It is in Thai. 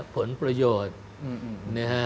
ผลประโยชน์